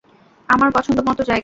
আমার পছন্দ মতো জায়গা।